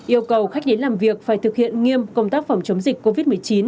yêu cầu khách đến làm việc phải thực hiện nghiêm công tác phòng chống dịch covid một mươi chín